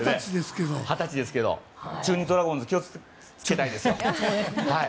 二十歳ですけど中日ドラゴンズ気を付けたいです。